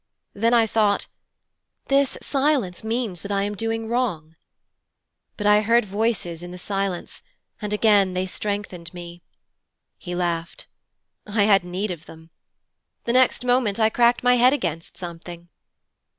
Then I thought: 'This silence means that I am doing wrong.' But I heard voices in the silence, and again they strengthened me.' He laughed. 'I had need of them. The next moment I cracked my head against something.'